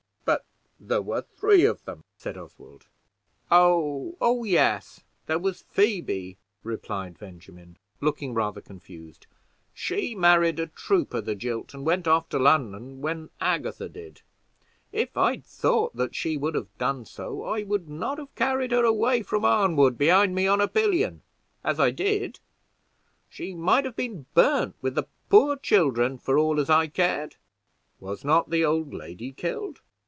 "But there were three of them," said Oswald. "Oh, yes; there was Phoebe," relied Benjamin, looking rather confused. "She married a trooper the jilt! and went off to London when Agatha did. If I'd have thought that she would have done so, I would not have earned her away from Arnwood behind me, on a pillion, as I did; she might have been burned with the poor children, for all as I cared." "Was not the old lady killed?"